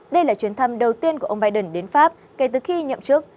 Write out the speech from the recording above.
đây là chuyến thăm đầu tiên của ông biden đến pháp kể từ khi nhậm chức